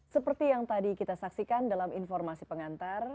seperti yang tadi kita saksikan dalam informasi pengantar